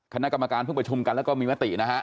คณะกรรมการเพิ่งประชุมกันแล้วก็มีมตินะฮะ